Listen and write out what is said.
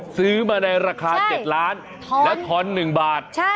ซื้อมาในราคา๗ล้านแล้วทอน๑บาท